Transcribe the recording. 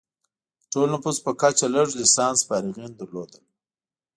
د ټول نفوس په کچه لږ لسانس فارغین لرل.